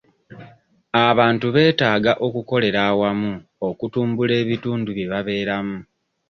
Abantu beetaaga okukolera awamu okutumbula ebitundu bya babeeramu.